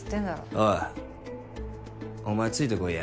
おいお前ついてこいや。